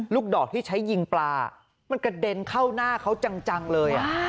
ดอกที่ใช้ยิงปลามันกระเด็นเข้าหน้าเขาจังเลย